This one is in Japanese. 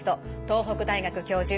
東北大学教授